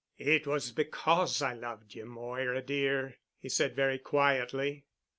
"It was because I loved ye, Moira dear," he said very quietly.